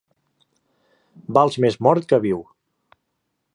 Vals més mort que viu.